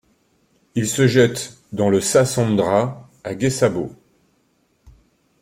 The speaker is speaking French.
Il se jette dans le Sassandra à Guessabo.